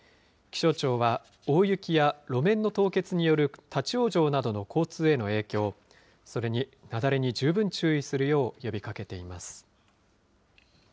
気象庁は大雪や路面の凍結による立往生などの交通への影響、それに雪崩に十分注意するよう呼びかけています。